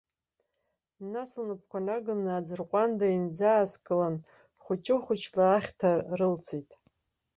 Нас лнапқәа наган аӡырҟәанда инӡааскылан, хәыҷы-хәыҷла ахьҭа рылҵит.